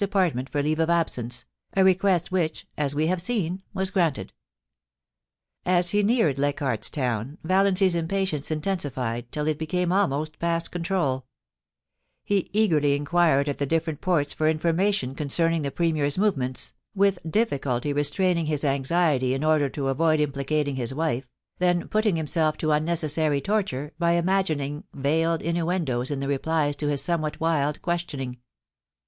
department for leave of absence, a request which, as we have seen, was granted As he neared Leichardt's Town, Valiancy's impatience in tensified till it became almost past control He eagerly in quired at the different ports for information concerning the Premier's movements, with difficulty restraining his anxiety in order to avoid implicating his wife, then putting himself to unnecessary torture by imagining veiled innuendoes in the replies to his somewhat wild questioning.